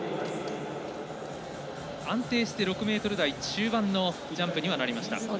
安定して６ｍ台中盤のジャンプにはなりました。